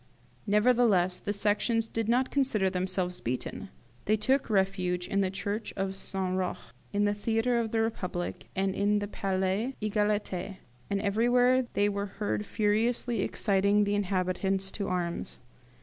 "Nevertheless the Sections did not consider themselves beaten: they took refuge in the church of St. Roch, in the theatre of the Republic, and in the Palais Egalite; and everywhere they were heard furiously exciting the inhabitants to arms.